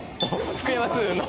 「福山通運の」